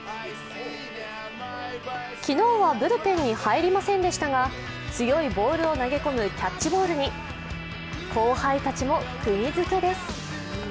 昨日はブルペンに入りませんでしたが、強いボールを投げ込むキャッチボールに後輩たちもくぎづけです。